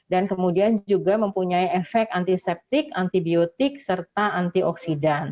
dan kemudian juga mempunyai efek antiseptik antibiotik serta antioksidan